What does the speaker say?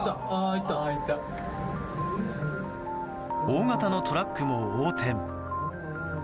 大型のトラックも横転。